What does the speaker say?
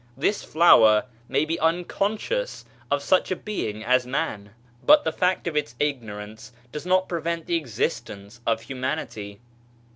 This flower may be unconscious of such a being as man, but the fact of its ignorance does not prevent the existence of humanity.